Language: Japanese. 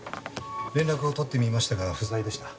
連絡をとってみましたが不在でした。